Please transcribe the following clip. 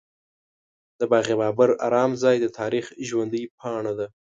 د باغ بابر ارام ځای د تاریخ ژوندۍ پاڼه ده.